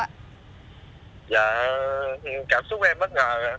dạ cảm xúc của em bất ngờ ạ